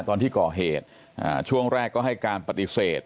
ตอนที่ก่อเหตุช่วงแรกก็ให้การปฏิเสธ